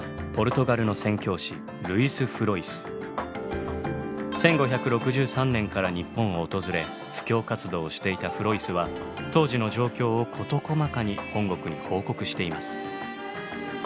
記したのは１５６３年から日本を訪れ布教活動をしていたフロイスは当時の状況を事細かに本国に報告しています。